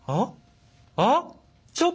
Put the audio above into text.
あっ？